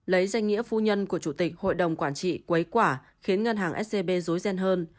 lấy danh nghĩa phu nhân của chủ tịch hội đồng quản trị quấy quả khiến ngân hàng scb dối ghen hơn